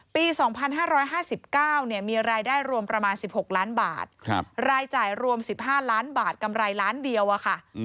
ปี๒๕๕๙มีรายได้รวมประมาณ๑๖ล้านบาทรายจ่ายรวม๑๕ล้านบาทกำไรล้านเดียวอะค่ะ